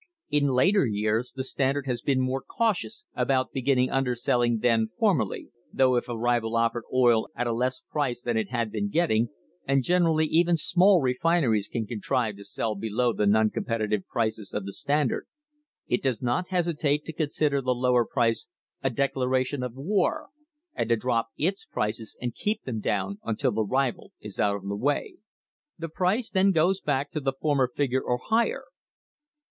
In later years the Standard has been more cautious about beginning underselling than for merly, though if a rival offered oil at a less price than it had been getting and generally even small refineries can contrive to sell below the non competitive prices of the Standard it does not hesitate to consider the lower price a declaration of war and to drop its prices and keep them down until the rival is out of the way. The price then goes back to the former figure or higher.